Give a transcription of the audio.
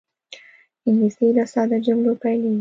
انګلیسي له ساده جملو پیلېږي